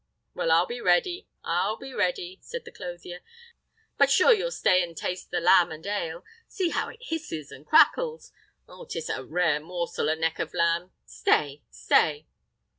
"Well, I'll be ready, I'll be ready," said the clothier; "but sure you'll stay and taste the lamb and ale? See how it hisses and crackles! Oh! 'tis a rare morsel, a neck of lamb! Stay stay!"